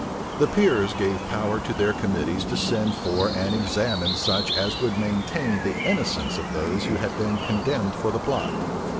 The peers gave power to their committees to send for and examine such as would maintain the innocence of those who had been condemned for the plot.